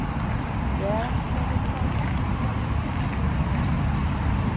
Era la mitad del palmo, equivalente a seis dedos.